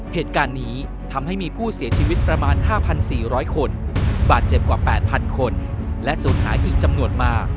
เหตุการณ์นี้ทำให้มีผู้เสียชีวิตประมาณ๕๔๐๐คนบาดเจ็บกว่า๘๐๐คนและศูนย์หายอีกจำนวนมา